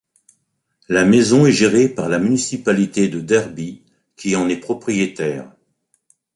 La maison est gérée par la municipalité de Derby, qui en est propriétaire.